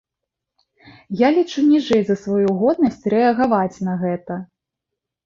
Я лічу ніжэй за сваю годнасць рэагаваць на гэта.